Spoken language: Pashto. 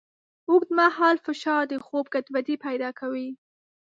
اوږدمهاله فشار د خوب ګډوډۍ پیدا کوي.